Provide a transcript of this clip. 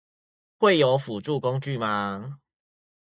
會有輔助工具嗎